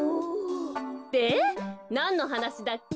でなんのはなしだっけ？